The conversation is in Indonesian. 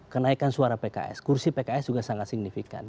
kenaikan suara pks kursi pks juga sangat signifikan